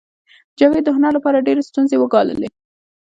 جاوید د هنر لپاره ډېرې ستونزې وګاللې